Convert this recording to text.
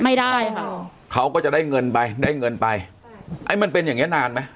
ไม่ได้ค่ะเขาก็จะได้เงินไปได้เงินไปไอ้มันเป็นอย่างเงี้นานไหม